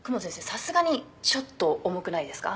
さすがにちょっと重くないですか？」